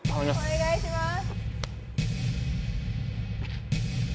お願いします。